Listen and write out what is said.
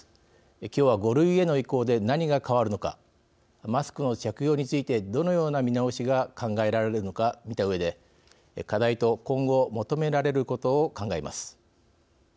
今日は５類への移行で何が変わるのかマスクの着用についてどのような見直しが考えられるのか見たうえで課題と今後、求められることを考えます。